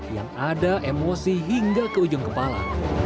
yang ada emosi hingga ke ujung kepala